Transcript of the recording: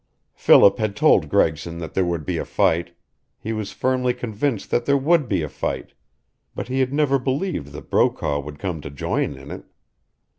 Philip had told Gregson that there would be a fight. He was firmly convinced that there would be a fight. But he had never believed that Brokaw would come to join in it.